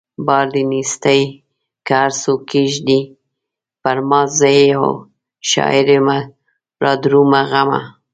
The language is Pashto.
بار د نيستۍ که هر څو کښېږدې پرما زه يو شاعر يمه رادرومه غمه